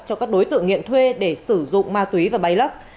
cho các đối tượng nghiện thuê để sử dụng ma túy và bay lắc